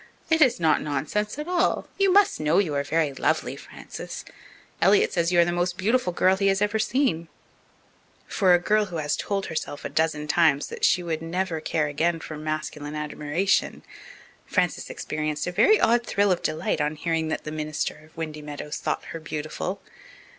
"It is not nonsense at all. You must know you are very lovely, Frances. Elliott says you are the most beautiful girl he has ever seen." For a girl who has told herself a dozen times that she would never care again for masculine admiration, Frances experienced a very odd thrill of delight on hearing that the minister of Windy Meadows thought her beautiful.